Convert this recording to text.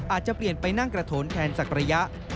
อาจจะเปลี่ยนไปนั่งกระโถนแทนสักระยะ